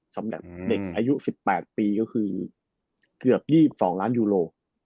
สำหรับเด็กอายุ๑๘ปีก็คือเกือบ๒๒ล้านยูโร